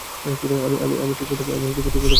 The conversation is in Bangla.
আমি ঠিকমতো পড়াশোনা করি।